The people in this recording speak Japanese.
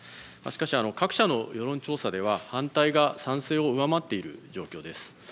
しかし、各社の世論調査では反対が賛成を上回っている状況です。